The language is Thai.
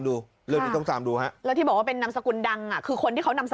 ก็เรียกร้องให้ตำรวจดำเนอคดีให้ถึงที่สุดนะ